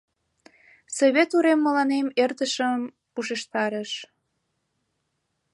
Совет урем мыланем эртышым ушештарыш.